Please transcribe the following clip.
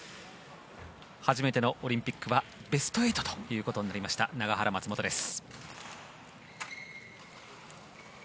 初めてのオリンピックはベスト８となった永原、松本です。